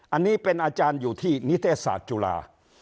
อันนี้เป็นอาจารย์อยู่ที่นิเทศศาสตร์จุฬา